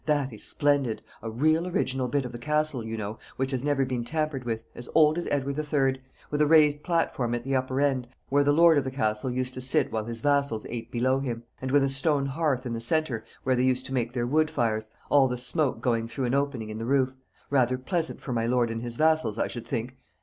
That is splendid a real original bit of the Castle, you know, which has never been tampered with, as old as Edward III., with a raised platform at the upper end, where the lord of the castle used to sit while his vassals ate below him; and with a stone hearth in the centre, where they used to make their wood fires, all the smoke going through an opening in the roof rather pleasant for my lord and his vassals, I should think!